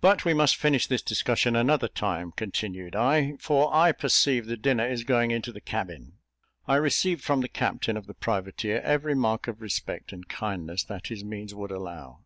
But we must finish this discussion another time," continued I, "for I perceive the dinner is going into the cabin." I received from the captain of the privateer every mark of respect and kindness that his means would allow.